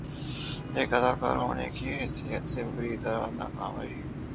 ایک اداکار ہونے کی حیثیت سے بری طرح ناکام رہی